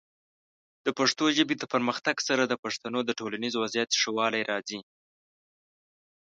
د پښتو ژبې د پرمختګ سره، د پښتنو د ټولنیز وضعیت ښه والی راځي.